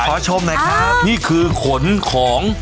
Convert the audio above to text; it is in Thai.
ขอชมนะครับนี่คือขนของ